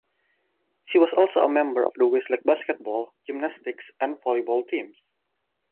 She was also a member of the Westlake basketball, gymnastics and volleyball teams.